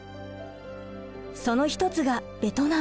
その一つがベトナム。